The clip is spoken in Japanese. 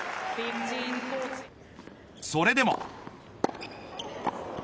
それでも。